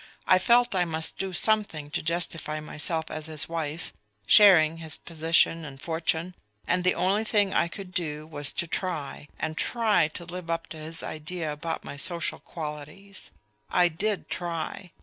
I felt I must do something to justify myself as his wife, sharing his position and fortune; and the only thing I could do was to try, and try, to live up to his idea about my social qualities.... I did try.